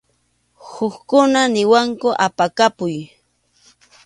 Hukkuna niwanku apakapuy.